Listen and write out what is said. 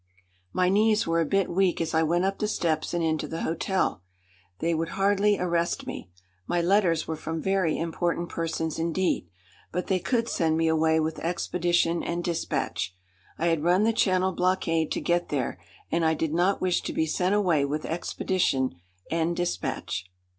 My knees were a bit weak as I went up the steps and into the hotel. They would hardly arrest me. My letters were from very important persons indeed. But they could send me away with expedition and dispatch. I had run the Channel blockade to get there, and I did not wish to be sent away with expedition and dispatch.